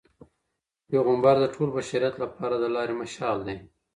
پيغمبر د ټول بشریت لپاره د لاري مشال دی.